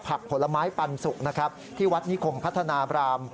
ผักผลไม้ปันสุกที่วัดนิขงพัฒนาบราม